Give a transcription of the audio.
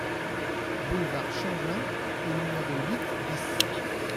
Boulevard Chamblain au numéro huit BIS